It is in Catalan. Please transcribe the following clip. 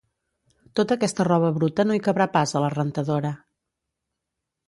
Tota aquesta roba bruta no hi cabrà pas a la rentadora